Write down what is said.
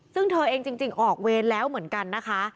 ซึ่งเธอเองจริงออกเวรแล้วเหมือนกันนะคะ